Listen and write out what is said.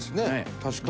確かに。